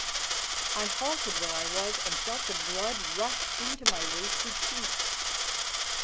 _" I halted where I was and felt the blood rush into my wasted cheeks.